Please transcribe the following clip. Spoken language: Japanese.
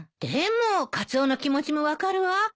でもカツオの気持ちも分かるわ。